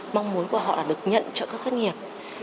mong muốn của họ là được nhận trợ cấp thất nghiệp